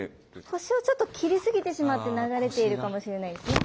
腰をちょっときりすぎてしまって流れているかもしれないですね。